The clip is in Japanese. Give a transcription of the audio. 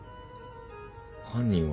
犯人は？